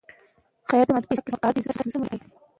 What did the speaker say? که بوټان وي نو پښې نه زخمي کیږي.